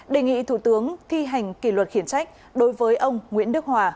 đề nghị thủ tướng thi hành kỷ luật khiển trách đối với ông nguyễn đức hòa